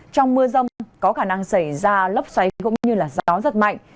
trong mưa rông có khả năng xảy ra lấp xoáy cũng như là gió rất mạnh